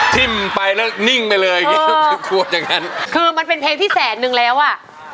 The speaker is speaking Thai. ทิ้มไปแล้วนิ่งไปเลยคือมันเป็นเพลงที่แสนนึงแล้วอ่ะ